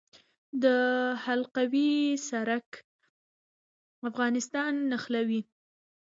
د حلقوي سړک افغانستان نښلوي